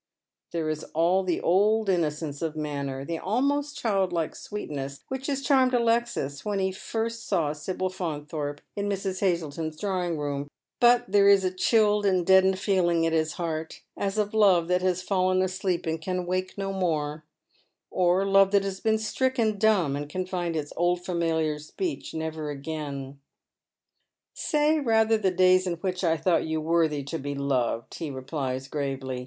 "J< 18 not now aa it has 'been oj yore.'" ^21 There is all the old innocence of manner, the almost childlike Bweetncss which charmed Alexis when he first saw Sibyl Faun thorpe in Mrs. Hazleton's drawing room, but there is a chilled and deadened feeling at his heart, as of love that has fallen asleep and can wake no more, or love that has been strickeo dumb, and can find its old familiar speech never again. *' Say rather the daj' s in which I thought you worthy to be loved," he replies, gravely.